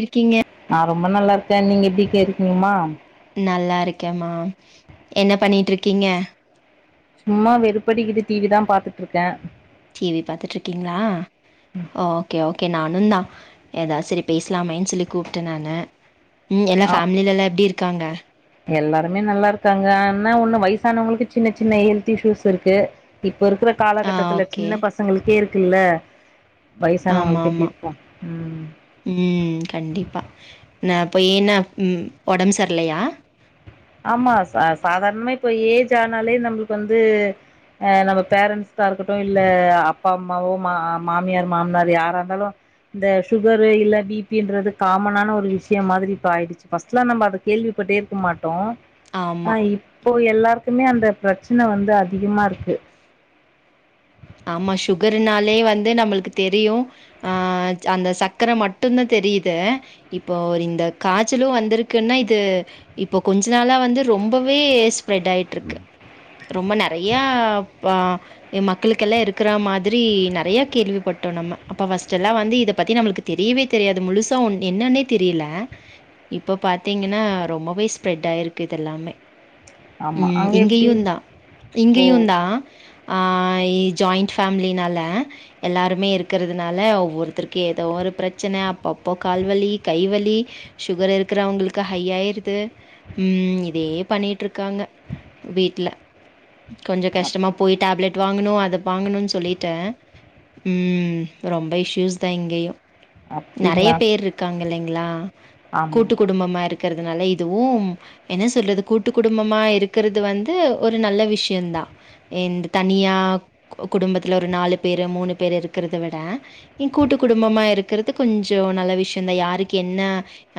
இருக்கீங்க நா ரொம்ப நல்லா இருக்கே நீங்க எப்டி கே இருக்கீங்கமா நல்லா இருக்கேமா என்ன பண்ணிட்டு இருக்கீங்க சும்மா வெறுப்படிக்குது டிவி தா பாத்துட்டு ருக்கே டிவி பாத்துட்டுருக்கீங்களா ஓகே ஓகே நானு தா ஏதாவது செரி பேசலாமேனு சொல்லி கூப்டே நானு ம் எல்லா ஆ ஃபேமில எல்லா எப்டி இருக்காங்க எல்லாருமே நல்லா இருக்காங்க ஆனா ஒன்னு வயசானவுங்களுக்கு சின்ன சின்ன ஹெல்த் இஷ்யூஸ் இருக்கு இப்ப இருக்கிற ஆ காலகட்டத்துல ஓகே சின்ன பசங்களுக்கே இருக்குல்ல வயசான ஆமா அவுங்களுக்கு எப்டி ஆமா இருக்கு ம் ம் கண்டிப்பா நா போயினா ம் ஒடம்பு சர்லயா ஆமா ச சாதாரணமா இப்ப ஏஜ் ஆனாலே நம்மளுக்கு வந்து அ நம்ம பேரன்ட்ஸ் தா இருக்கட்டு இல்ல அப்பா அம்மாவோ மா மாமியார் மாமனார் யாரா இருந்தாலு இந்த சுகரு இல்ல பி பி ன்றது காமனான ஒரு விஷ்யோ மாதிரி இப்ப ஆயிடுச்சு ஃபஸ்ட்டுலா நம்ம அது கேள்விப்பட்டே இருக்கமாட் டோ ஆமா ஆ இப்போ எல்லாருக்குமே அந்த பிரெச்சன வந்து அதிகமா இருக்கு ஆமா சுகர்னாலே வந்து நம்மளுக்கு தெரியு ஆ ஜ் அந்த சக்கர மட்டுதா தெரியுது இப்போ இந்த காய்ச்சலு வந்திருக்குன்னா இது இப்போ கொஞ்ச நாளா வந்து ரொம்பவே ஸ்ப்ரெட் ஆயி [inaudible] ரொம்ப நெறைய வ இம் மக் களுக்கெல்லா இருக்கிற மாதிரி நெறைய கேள்விப்பட்டோ நம்ம அப்ப ஃபஸ்ட்டு எல்லா வந்து இத பத்தி நம்மளுக்கு தெரியவே தெரியாது முழுசா ஒன் என்னன்னே தெரியல இப்போ பாத்தீங்கன்னா ரொம்பவே ஸ்ப்ரெட் ஆயிருக்கு இது எல்லாமே ஆமா ம் அங்க எப்டி இங்கேயுந் தா ஓ இங்கேயுந் தா ஆ ஐ ஜாயிண்ட் ஃபேமிலினால எல்லாருமே இருக்கறதுனால ஒவ்வொருத்தருக்கே ஏதோ ஒரு பிரெச்சன அப்பப்போ கால்வலி கைவலி சுகர் இருக்குறவங்களுக்கு ஹை ஆயிருது ம் இதே பண்ணிட்டு ருக்காங்க வீட்ல கொஞ்ச அப் கஷ்டமா போய் டேப்லெட் வாங்கணு அத வாங்கணுனு சொல்லிட்டு ம் ரொம்ப இஷ்யூஸ் தா இங்கேயு நெறைய அப்டிங்களா பேர்ருக்காங்க இல்லைங்களா ஆமா கூட்டு குடும்பமா இருக் குறதுனால இதுவு என்ன சொல்றது கூட்டு குடும்பமா இருக்குறது வந்து ஒரு நல்ல விஷயந்தா எந்து தனியா குடும்பத்துல ஒரு நாலு பேரு மூணு பேரு இருக்குறத விட இ கூட்டு குடும்பமா இருக்குறது கொஞ்சோ நல்ல விஷயொதா யாருக்கு என்ன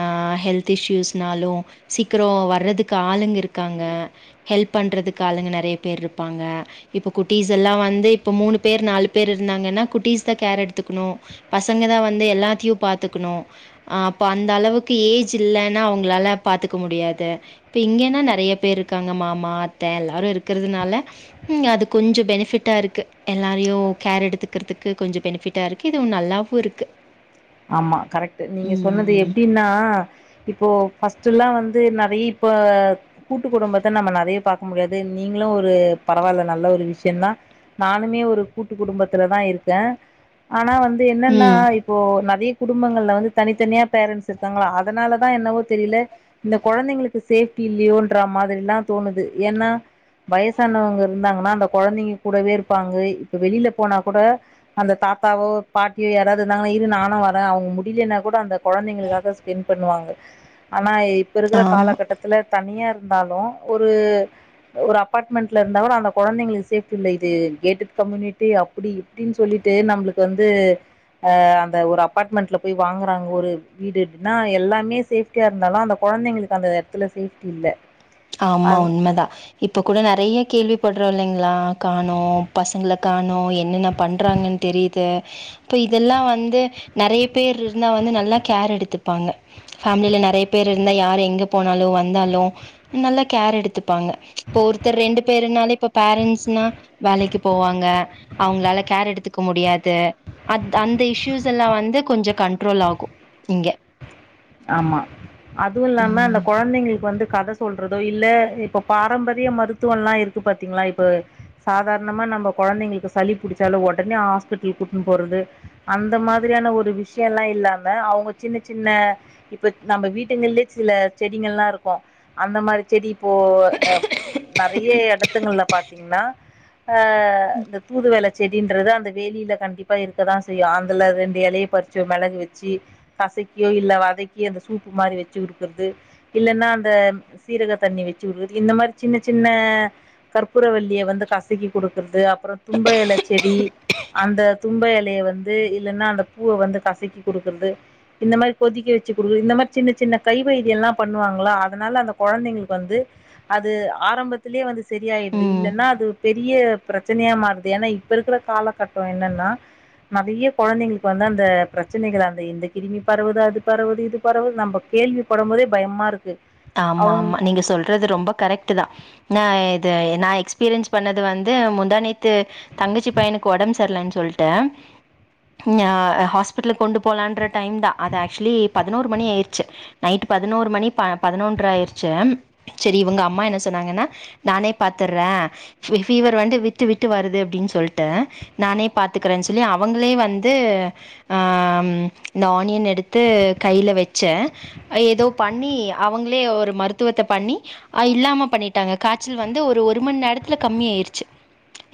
அ ஹெல்த் இஷ்யூஸ்னாலு சீக்குரோ வர்றதுக்கு ஆளுங்க இருக்காங்க ஹெல்ப் பண்றதுக்கு ஆளுங்க நெறைய பேர்ருப்பாங்க இப்போ குட்டீஸ் எல்லா வந்து இப்போ மூணு பேர் நாலு பேர் இருந்தாங்கன்னா குட்டீஸ் தா கேர் எடுத்துக்குணு பசங்கதா வந்து எல்லாத்தியு பாத்துக்கணு ஆ அப்ப அந்த அளவுக்கு ஏஜ் இல்லன்னா அவங்களால பாத்துக்க முடியாது இப்ப இங்கேன்னா நெறைய பேர்ருக்காங்க மாமா அத்த எல்லாரு இருக்குறதுனால ம் அது கொஞ்சொ பெனிஃபிட்டா இருக்கு எல்லாரையு கேர் எடுத்துக்குறதுக்கு கொஞ்சொ பெனிஃபிட் டா இருக்கு இதுவு நல்லாவு இருக்கு ஆமா கரெக்ட்டு நீங்க சொன்னது ம். எப்டின்னா இப்போ ஃபர்ஸ்ட் எல்லா வந்து நெறைய இப்ப கூட்டு குடும்பத்த நம்ம நெறைய பாக்க முடியாது நீங்களு ஒரு பரவாயில்ல நல்ல ஒரு விஷய தா நானுமே ஒரு கூட்டு குடும்பத்துலதா இருக்கே ஆனா வந்து என்னன்னா ம். இப்போ ந றைய குடும்பங்கள்ல வந்து தனித்தனியா பேரன்ட்ஸ் இருக்காங்களா அதனாலதா என்னவோ தெரியில இந்த கொழந்தைங்களுக்கு சேஃப்டி இல்லையோன்ற மாதிரிலா தோணுது ஏன்னா வயசானவங்க இருந்தாங்கன்னா அந்த கொழந்தைங்க கூடவே இருப்பாங்க இப்ப வெளியில போனா கூட அந்த தாத்தாவோ பாட்டியோ யாராவது இருந்தாங்கனா இரு நானு வ ரே அவங்க முடியிலைன்னா கூட அந்த கொழந்தைங்களுக்காக ஸ்பென்ட் பண்ணுவாங்க ஆனா இப்ப இருக்குற ஆமா. காலகட்டத் துல தனியா இருந்தாலு ஒரு ஒரு அபார்ட்மெண்ட்ல இருந்தாலு அந்த கொழந்தைங்களுக்கு சேஃப்டி இல்ல இது கேட் கம்யூனிட்டி அப் டி இப்டின்னு சொல்லிட்டு நம்மளுக்கு வந்து அ அந்த ஒரு அப் பார்ட்மெண்ட்ல போய் வாங்குறாங்க ஒரு வீடு அப்டினா எல்லாமே சேஃப்டியா இருந்தாலு அந்த கொழந்தைங்களுக்கு அந்த துல சேஃப்டி இல்ல ஆமா அது உண்மதா இப்போ கூட நெறைய கேள்வி பட்றோ இல்லைங்களா காணோ பசங்கள காணோ என்னென்ன பண்றாங்கன் தெரியுது அப்ப இதெல்லா வந்து நெறைய பேர் இருந்தா வந்து நல்லா கேர் எடுத்துப்பாங்க ஃபேமில நெறைய பேர் இருந்தா யாரு எங்க போனாலு வந்தாலு நல்லா கேர் எடுத்துப்பாங்க இப்ப ஒருத்தர் ரெண்டு பேருனாலே இப்ப பேரண்ட்ஸ்னா வேலைக்கு போவாங்க அவங்களால கேர் எடுத்துக்க முடியாது அத் அந்த இஷ்யூஸ் எல்லா வந்து கொஞ்ச கண்ட்ரோல் ஆகு இங்க ஆமா அதுவு இல்லாம அந்த ம். கொழந்தைங்களுக்கு வந்து கத சொல் றதோ இல்ல இப்ப பாரம்பரிய மருத்துவல்லா இருக்கு பாத்தீங்களா இப்ப சாதாரணமா நம்ம கொழந்தைங்களுக்கு சளி புடிச்சாலு உடனே ஹாஸ்பிட்டல் கூட்னு போறது அந்த மாதிரியான ஒரு விஷயல்லா இல்லாம அவுங்க சின்ன சின்ன இப்ப நம்ம வீட்டுங்கள்லே சில செடிங்கள்லா இருக்கு அந்த மாரி செடி இப்போ நெறைய எடத்துங்கள்ல பாத்தீங்கன்னா ஆ இந்த தூதுவள செடின்றது அந்த வேலியில கண்டிப்பா இருக்கதா செய்யு அதுல ரெண்டு எலய பறிச்சு மெளகு வெச்சி கசக்கி இல்ல வதக்கி அந்த சூப்பு மாரி வெச்சு குடுக்குறது இல்லன்னா அந்த சீரக தண்ணி வச்சு விடுறது இந்த மாரி சின்ன சின்ன கற்பூரவல்லிய வந்து கசக்கி கொடுக்குறது அப்புறம் தும்ப இல செடி அந்த தும்ப இலைய வந்து இல்லன்னா அந்த பூவ வந்து கசக்கி கொடுக்குறது இந்த மாரி கொதிக்க வச் சி குடு இந்த மாதிரி சின்ன சின்ன கை வைத்தியோல்லாம் பண்ணுவாங்கல்ல அதனால அந்த கொழந்தைங்களுக்கு வந்து அது ஆரம்பத்திலே வந்து சரியாயிடுது ம். இல்லன்னா அது பெரிய பிரச்சனையா மாறுது ஏன்னா இப்ப இருக்கிற காலகட்டோ என்னன்னா நெறைய கொழந்தைங்களுக்கு வந்து அந்த பிரச்சனைகள் அந்த இந்த கிருமி பரவுது அது பரவுது இது பரவுது நம்ம கேள்வி படும் போதே பயமா இருக்கு ஆமா அவங்க ஆமா நீங்க சொல்றது ரொம்ப கரெக்ட் டு தான் இது நா எக்ஸ்பீரியன்ஸ் பண்ணது வந்து முந்தானேத்து நேத்து தங்கச்சி பையனுக்கு உடம்பு சரிலன்னு சொல்லிட்டு ஹாஸ்பிட்டலுக்கு கொண்டு போலான்ர டைம் தான் அது ஆக்சுவலி பதினோரு மணி ஆயிடுச்சு நைட்டு பதினோரு மணி பதினொன்றரரை ஆயிருச்சி சரி இவங்க அம்மா என்ன சொன்னாங்கன்னா நானே பாத்துர்றேன் ஃபீவர் வந்து விட்டு விட்டு வருது அப்படின்னு சொல்லிட்டு நானே பாத்துக்கறேன்னு சொல்லி அவங்களே வந்து ஆ இந்த ஆனியன் எடுத்து கையில வச்சே ஏதோ பண்ணி அவங்களே ஒரு மருத்துவத்த பண்ணி அ இல்லாம பண்ணிட்டாங்க காய்ச்சல் வந்து ஒரு மணி நேரத்துல கம்மி ஆயிடுச்சு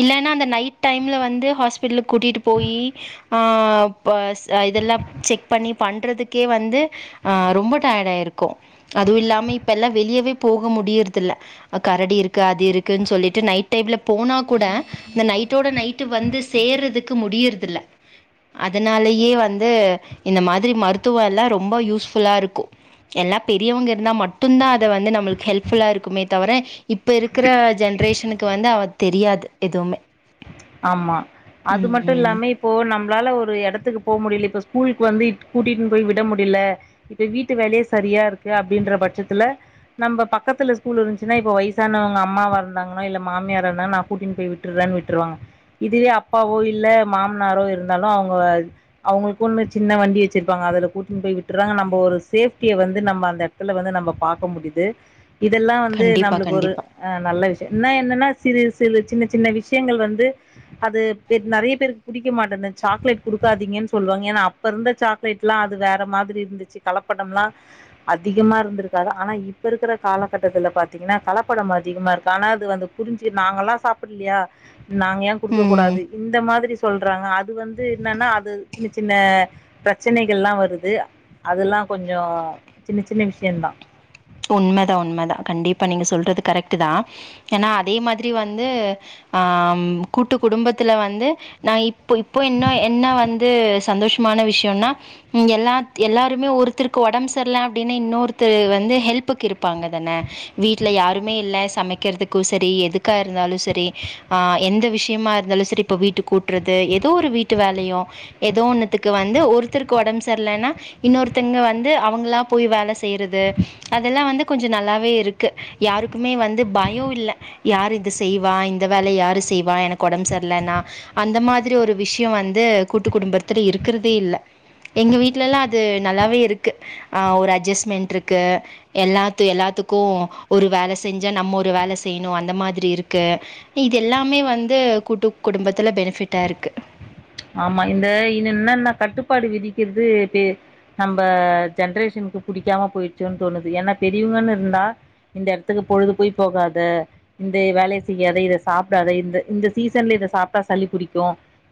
இல்லன்னா அந்த நைட் டைம்ல வந்து ஹாஸ்பிடலுக்கு கூட்டிட்டு போயி ஆ பஸ் இதெல்லாம் செக் பண்ணி பண்றதுக்கே வந்து ஆ ரொம்ப டயர்ட் ஆயிருக்கு அதுவு இல்லாம இப்ப எல்லா வெளியவே போக முடியறது இல்ல கரடி இருக்கு அது இருக்குன்னு சொல்லிட்டு நைட் டைம்ல போனா கூட இந்த நைட்டோட நைட்டு வந்து சேர்றதுக்கு முடியறதுல்ல அதனாலயே வந்து இந்த மாதிரி மருத்துவோ எல்லா ரொம்ப யூஸ்ஃபுல்லா இருக்கு எல்லா பெரியவங்க இருந்தா மட்டும்தான் அத வந்து நம்மளுக்கு ஹெல்ப் ஃபுல்லா இருக்குமே தவர இப்ப இருக்கற ஜெனரேஷனுக்கு வந்து அவ தெரியாது எதுமே ஆமா அதுமட்டு ம் இல்லாமே இப்போ நம்மளால ஒரு எடத்துக்கு போக முடில இப்ப ஸ்கூலுக்கு வந்து கூட்டிட்டு போய் விட முடில இந்த வீட்டு வேலயே சரியா இருக்கு அப்டின்ற பட்சத்துல நம்ப பக்கத்துல ஸ்கூல் இருந்துச்சுன்னா இப்ப வயசானவங்க அம்மாவா இருந்தாங்கலோ இல்ல மாமியாரா இருந்தா நா கூட்டின்ட்டு போய் விட்டு விட்ர்ரேனு விட்ருவாங்க இதுவே அப்பாவோ இல்ல மாமனாரோ இருந்தாலு அவுங்க அவங்களுக்குன்னு சின்ன வண்டி வச்சிருப்பாங்க அதுல கூட்டின்ட்டு போய் விட்டுறாங்க நம்ம ஒரு சேப்டிய வந்து நம்ம அந்த ல வந்து நம்ம பாக்க முடியுது இதெல்லாம் வந்து கண்டிப்பா நம்ளுக்கு ஒரு கண்டிப்பா ஆ நல்ல விஷயம் என்ன என்னன்னா சிறு சி சின்ன சின்ன விஷயங்கள் வந்து அது நெறைய பேருக்கு புடிக்க மாட்டது சாக்லேட் குடுக்காதீங்கன்னு சொல்லுவாங்க ஏன்னா அப்ப இருந்த சாக்லேட்ல்லா அது வேற மாதிரி இருந்துச்சு கலப்படம்லாம் அதிகமா இருந்திருக்காது ஆனா இப்ப இருக்குற காலகட்டத்துல பாத்தீங்கன்னா கலப்படோ அதிகமா இருக்கு ஆனா அது வந்து புரிஞ்சு நாங்கல்லா சாப்பிடலயா நாங்க ஏன் குடுக்க ம் கூடாது இந்த மாதிரி சொல்றாங்க அது வந்து என்னன்னா அது சின்ன சின்ன பிரச்சனைகள்லா வருது அதெல்லா கொஞ்சோ சின்ன சின்ன விஷயம்தா உண்மதா உண்மதா கண்டிப்பா நீங்க சொல்றது கரெக்ட் தான் ஏன்னா அதே மாதிரி வந்து ஆ கூட்டு குடும்பத்துல வந்து நான் இப்போ இப்போ இன்னு என்ன வந்து சந்தோஷமான விஷயம்னா இங்கில்லா எல்லாருமே ஒருத்தருக்கு ஒடம்பு சரில்ல அப்படின்னா இன்னொருத்தரு வந்து ஹெல்ப்புக்கு இருப்பாங்க தானே வீட்ல யாருமே இல்ல சமைக்கிறதுக்கு செரி எதுக்கா இருந்தாலு செரி ஆ எந்த விஷயமா இருந்தாலு செரி இப்ப வீட்டு கூட்றது ஏதோ ஒரு வீட்டு வேலையு ஏதோ ஒன்னுத்துக்கு வந்து ஒருத்தருக்கு ஒடம்பு செரியில்லன்னா இன்னொருத்தங்க வந்து அவுங்களா போய் வேல செய்றது அதெல்லாமேவந்து கொஞ்சோ நல்லாவே இருக்கு யாருக்குமே வந்து பயோ இல்ல யாரு இது செய்வா இந்த வேலய யாரு செய்வா எனக்கு ஒடம்செரிலன்னா அந்த மாதிரி ஒரு விஷயோ வந்து கூட்டு குடும்பத்துல இருக்குறதே இல்ல எங்க வீட்லல்லா அது நல்லாவே இருக்கு ஆ ஒரு அட்ஜஸ்ட்மெண்ட் இருக்கு எல்லாத்து எல்லாத்துக்கு ஒரு வேல செஞ்சா நம்ம ஒரு வேல செய்யணு அந்த மாதிரி இருக்கு இது எல்லாமே வந்து கூட்டு குடும்பத்துல பெனிஃபிட்டா இருக்கு ஆமா இந்த இன்னு இன்னான்ன கட்டுப்பாடு விதிக்கறது பே நம் ஜென்ரேஷனுக்கு புடிக்காம போயிடுச்சோன்னு தோணுது ஏன்னா பெரியவங்கன்னு இருந்தா இந்த எடத்துக்கு பொழுது போய் போகாத இந்த வேலைய செய்யாத இத சாப்டாத இந்த இந்த சீசன்ல இத சாப்டா சளி புடிக்கு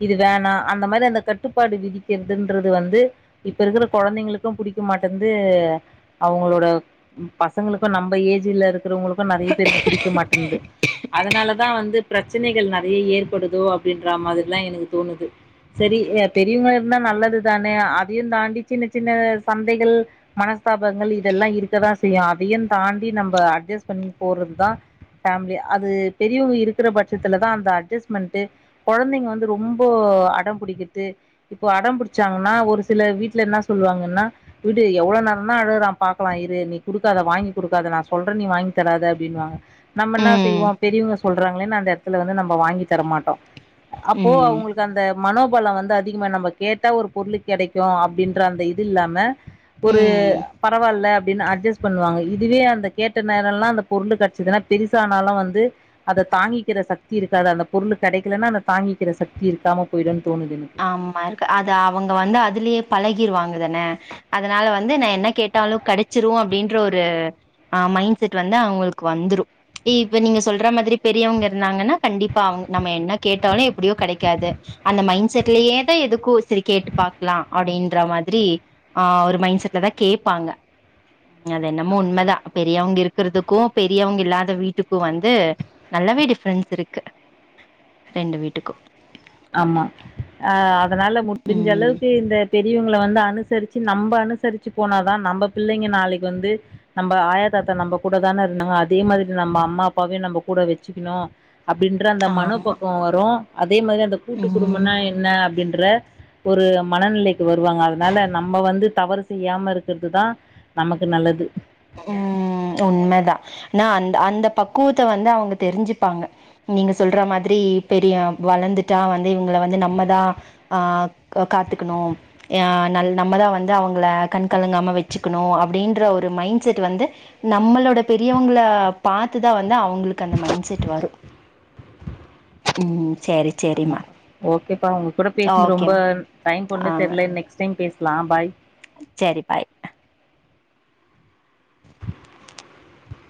இது வேணா அந்த மாரி அந்த கட்டுப்பாடு விதிக்கறதுன்றது வந்து இப்ப இருக்கற கொழந்தைங்களுக்கு புடிக்க மாட்டன்து அவுங்களோட பசங்களுக்கு நம்ப ஏஜ்ல இருக்கறவங்களுக்கு நறைய பேருக்கு புடிக்க மாட்டன்து அதனாலதா வந்து பிரச்சனைகள் நறைய ஏற்படுதோ அப்டின்றா மாதிரில்லா எனக்கு தோணுது செரி பெரியவங்க இருந்தா நல்லதுதானே அதையுந்தாண்டி சின்ன சின்ன சண்டைகள் மனஸ்தாபங்கள் இதெல்லா இருக்கதா செய்யு அதையு தாண்டி நம்ப அட்ஜஸ்ட் பண்ணி போறதுதா ஃபேமிலி அது பெரியவுங்க இருக்குற பட்சத்துலதா அந்த அட்ஜஸ்ட்மெண்ட்டு கொழந்தைங்க வந்து ரொம் ம்போ அடம் புடிக்கிற்து இப்போ அடம் புடிச்சாங்கன்னா ஒரு சில வீட்ல இன்ன சொல்லுவாங்கன்னா விடு எவ்வளோ நேரந்தா அழுவுறா பாக்கலா இரு நீ குடுக்காத வாங்கி குடுக்காத நா சொல்றன் நீ வாங்கி தராத அப்டின்னுவாங்க நம்ம என்னா ம் செய்வோ பெரிவுங்க சொல்றாங்களேன்னு அந்த எடத்துல வந்து நம்ப வாங்கி தரமாட்டோ அப்போ ம் அவுங்களுக் அந்த மனோபலோ வந்து அதிகமா நம்ப கேட்டா ஒரு பொருளு கெடைக்கு அப்டின்ற அந்த இது இல்லாம ஒரு ம் பரவால்ல அப்டின்னு அட்ஜஸ்ட் பண்ணுவாங்க இதுவே அந்த கேட்ட நேரோல்லா அந்த பொருளு காட்சிதுன்னா பெரிசானாலு வந்து அத தாங்கிக்கிற சக்தி இருக்காது அந்த பொருளு கெடக்கலன்னா அத தாங்கிக்கிற சக்தி இருக்காம போயிடுன் தோணுது எனுக் ஆமா இருக்கு அது அவுங்க வந்து அதுலே பழகிடுவாங்கதான அதனால வந்து நா என்ன கேட்டாலு கடச்சிரு அப்டின்ற ஒரு ஆ மைண்ட் செட் வந்து அவுங்களுக்கு வந்துரு இப்ப நீங்க சொல்ற மாதிரி பெரியவங்க இருந்தாங்கன்னா கண்டிப்பா அவுங் நம்ம என்ன கேட்டாலு எப்டியு கடைக்காது அந்த மைண்ட் செட்லயே தா எதுக்கு செரி கேட்டு பாக்கலா அப்டின்ற மாதிரி ஆ ஒரு மைண்ட் செட்ல தா கேப்பாங்க அது என்னமோ உண்மதா பெரியவங்க இருக்கறதுக்கு பெரியவங்க இல்லாத வீட்டுக்கு வந்து நல்லாவே டிஃபரன்ஸ் இருக்கு ரெண்டு வீட்டுக்கு ஆமா ஆ அதனால முடிஞ்ச ம் அளவுக்கு இந்த பெரியவங்கள வந்து அனுசரிச்சு நம்ப அனுசரிச்சு போனாதா நம்ப பிள்ளைங்க நாளைக்கு வந்து நம்ப ஆயா தாத்தா நம்ப கூட தான இருந்தாங்க அதே மாதிரி நம்ப அம்மா அப்பாவயு நம்ப கூடோ வெச்சிக்கிணு அப்டின்ற அந்த மனோ ஆமா பக்குவோ வரு அதே மாரி கூட்டு ம் குடும்பம்னா என்னா அப்டின்ற ஒரு மனநிலைக்கு வருவாங்க அதனால நம்ம வந்து தவறு செய்யாம இருக்கறதுதா நமக்கு நல்லது ம் உண்மதா நா அந் அந்த பக்குவத்த வந்து அவுங்க தெரிஞ்சிப்பாங்க நீங்க சொல்றா மாதிரி பெரிய வளந்துட்டா வந்து இவங்கள வந்து நம்மதா ஆ க காத்துக்ணு யா நல் நம்மதா வந்து அவங்கள கண்கலங்காம வச்சுக்குணு அப்டின்ற ஒரு மைன்ட் செட் வந்து நம்மளோட பெரியவங்கள பாத்துதா வந்து அவங்களுக்கு அந்த மைண்ட் செட் வரு ம் சேரி ஆமா சேரிம்மா ஓகேப்பா உங்க கூட பேசுனது ரொம்ப ஓகேம்மா டைம் போனதே தெர்ல இன்னைக்கி டைம் பேசலா பாய் செரி பாய்